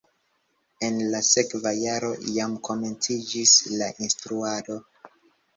En la sekva jaro jam komenciĝis la instruado.